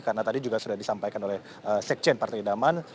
karena tadi juga sudah disampaikan oleh sekjen partai idaman